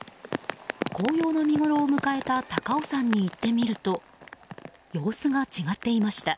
紅葉の見ごろを迎えた高尾山に行ってみると様子が違っていました。